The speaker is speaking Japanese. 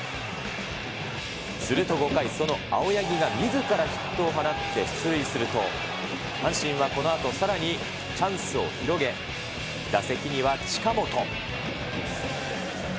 すると５回、その青柳がみずからヒットを放って出塁すると、阪神はこのあとさらにチャンスを広げ、打席には近本。